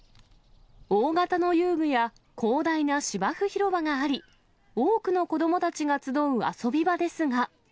大型の遊具や広大な芝生広場があり、多くの子どもたちが集う遊び場ですが。